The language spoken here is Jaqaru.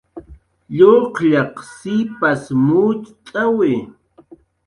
Lluqllaq sipas mucht'awi